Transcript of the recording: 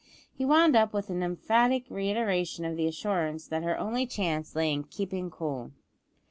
He wound up with an emphatic reiteration of the assurance that her only chance lay in "keeping cool."